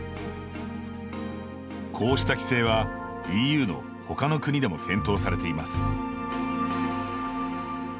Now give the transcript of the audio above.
こうした規制はＥＵの他の国でも検討されています。